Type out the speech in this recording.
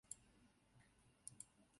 设有月台幕门。